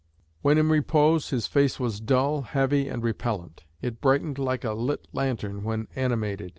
When in repose, his face was dull, heavy, and repellent. It brightened like a lit lantern when animated.